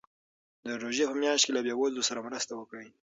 د روژې په میاشت کې له بېوزلو سره مرسته وکړئ.